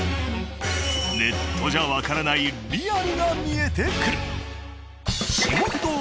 ネットじゃわからないリアルが見えてくる。